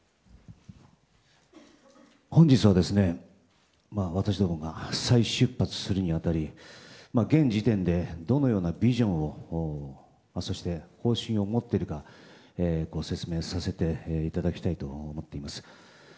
本日は、私どもが再出発するに当たり現時点でどのようなビジョンをそして方針を持ってるかご説明させていただきたいと思っています。